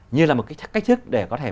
như là một cái cách thức để có thể